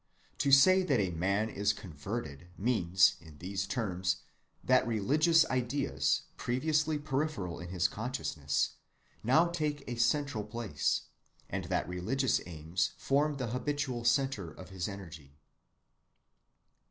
To say that a man is "converted" means, in these terms, that religious ideas, previously peripheral in his consciousness, now take a central place, and that religious aims form the habitual centre of his energy.